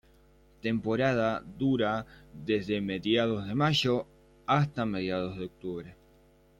Temporada dura desde mediados de mayo hasta mediados de Octubre.